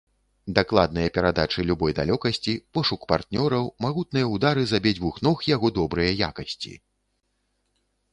Дакладныя перадачы любой далёкасці, пошук партнёраў, магутныя ўдары з абедзвюх ног яго добрыя якасці.